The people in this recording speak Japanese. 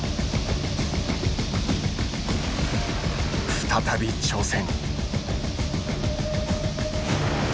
再び挑戦。